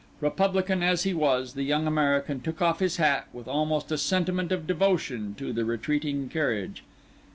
Republican as he was, the young American took off his hat with almost a sentiment of devotion to the retreating carriage.